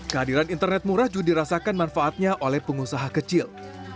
kehadiran internet murah juga dirasakan manfaatnya oleh pengusaha kecil